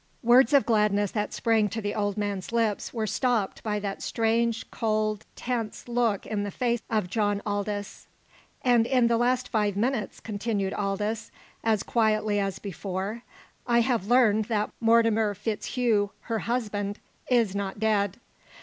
Words of gladness that sprang to the old man's lips were stopped by that strange, cold, tense look in the face of John Aldous. "And in the last five minutes," continued Aldous, as quietly as before, "I have learned that Mortimer FitzHugh, her husband, is not dead.